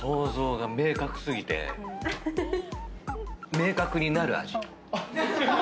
「明確になる味」